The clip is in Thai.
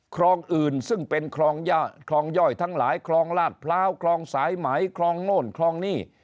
คลองอื่นซึ่งเป็นคลองย่อยทั้งหลายคลองลาดพร้าวคลองสายไหมคลองโน่นคลองนี่